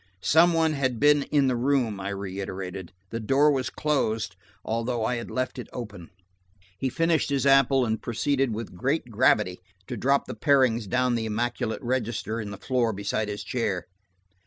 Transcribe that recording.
"Some one had been in the room," I reiterated. "The door was closed, although I had left it open." He finished his apple and proceeded with great gravity to drop the parings down the immaculate register in the floor beside his chair.